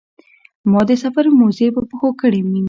ما د سفر موزې په پښو کړې مینه.